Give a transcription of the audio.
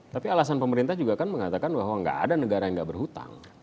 tapi alasan pemerintah juga kan mengatakan bahwa nggak ada negara yang gak berhutang